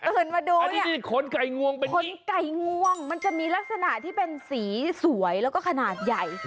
ตื่นมาดูเนี่ยค้นไก่ง่วงเป็นอย่างนี้ค้นไก่ง่วงมันจะมีลักษณะที่เป็นสีสวยแล้วก็ขนาดใหญ่